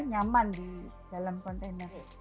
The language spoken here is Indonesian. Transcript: nyaman di dalam kontainer